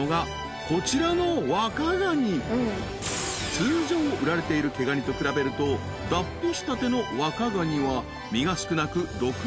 ［通常売られている毛ガニと比べると脱皮したての若ガニは身が少なく６割ほど］